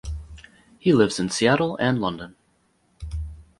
He lives in Seattle and London.